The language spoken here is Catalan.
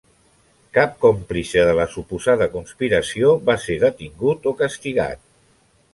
Cap còmplice de la suposada conspiració va ser detingut o castigat.